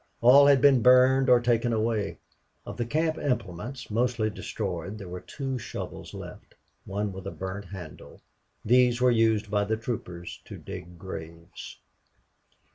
All had been burned or taken away. Of the camp implements, mostly destroyed, there were two shovels left, one with a burnt handle. These were used by the troopers to dig graves.